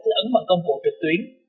thứ ấn bằng công cụ trực tuyến